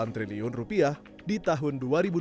delapan triliun rupiah di tahun dua ribu dua puluh